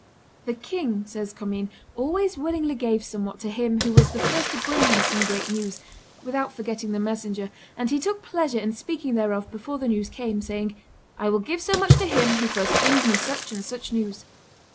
"The king," says Commynes, "always willingly gave somewhat to him who was the first to bring him some great news, without forgetting the messenger, and he took pleasure in speaking thereof before the news came, saying, 'I will give so much to him who first brings me such and such news.